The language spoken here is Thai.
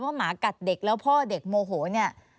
หมากัดเด็กแล้วพ่อเด็กโมโหเนี่ย